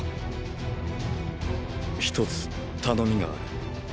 一つ頼みがある。